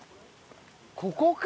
ここか！